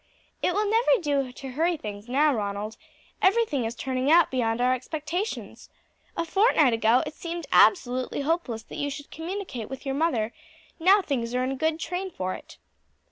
"It will never do to hurry things now, Ronald; everything is turning out beyond our expectations. A fortnight ago it seemed absolutely hopeless that you should communicate with your mother; now things are in a good train for it."